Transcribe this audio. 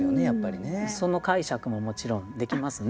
その解釈ももちろんできますね。